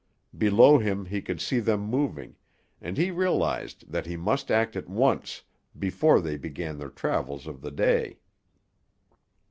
Below him he could see them moving, and he realised that he must act at once, before they began their travels of the day.